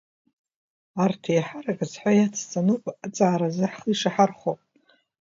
Арҭ еиҳарак азҳәа иацҵаны ауп ҵааразы ҳхы ишаҳархәо.